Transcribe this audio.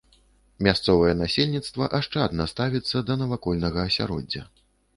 Мясцовае насельніцтва ашчадна ставіцца да навакольнага асяроддзя.